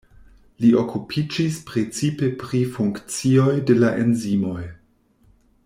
Li okupiĝis precipe pri funkcioj de la enzimoj.